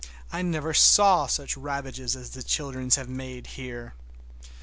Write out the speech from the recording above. I never saw such ravages as the children have made here.